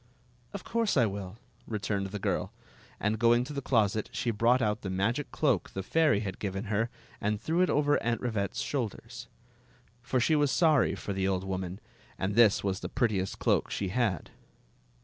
"Of course I \*ill," returned the girl; and going to the closet, she brought out the magic cloak the fairy had given her and threw it over Aunt Rivette's shoulders. For she was sorry for the old woman, and this was the prettiest cloak she had.